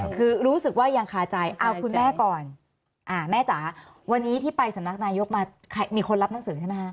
คือรู้สึกว่ายังคาใจเอาคุณแม่ก่อนแม่จ๋าวันนี้ที่ไปสำนักนายกมามีคนรับหนังสือใช่ไหมคะ